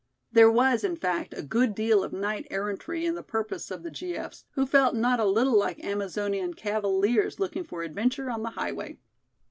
There was, in fact, a good deal of knight errantry in the purpose of the G. F.'s, who felt not a little like Amazonian cavaliers looking for adventure on the highway.